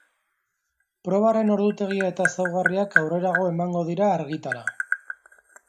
Probaren ordutegia eta ezaugarriak aurrerago emango dira argitara.